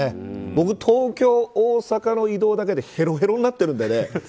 僕、東京、大阪の移動だけでヘロヘロになってるのでね。